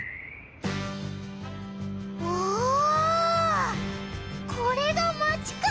おおこれがマチか！